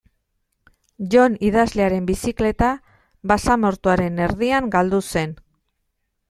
Jon idazlearen bizikleta basamortuaren erdian galdu zen.